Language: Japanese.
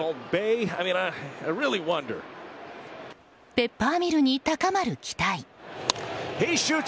ペッパーミルに高まる期待。